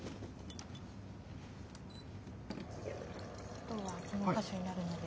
あとはこの箇所になるので。